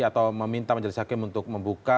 atau meminta majelis hakim untuk membuka